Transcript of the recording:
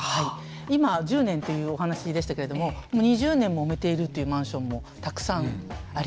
今１０年というお話でしたけれどももう２０年もめているっていうマンションもたくさんあります。